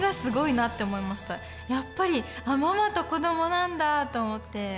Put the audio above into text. やっぱりママと子どもなんだと思って。